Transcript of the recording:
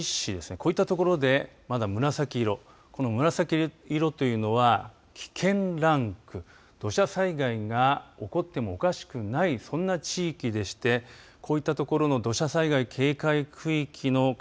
こういったところでまだ紫色この紫色というのは危険ランク、土砂災害が起こってもおかしくないそんな地域でしてこういったところの土砂災害警戒区域の方